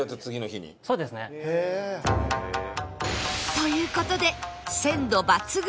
という事で鮮度抜群！